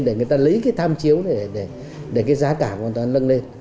để người ta lấy cái tham chiếu để cái giá cả hoàn toàn nâng lên